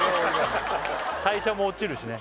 代謝も落ちるしね